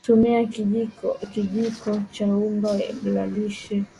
tumia kijiko cha unga wa lishe